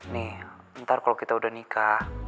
nih ntar kalau kita udah nikah